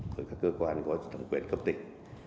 với các cơ quan có thẩm quyền cấp tỉnh